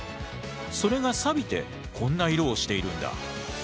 それがさびてこんな色をしているんだ。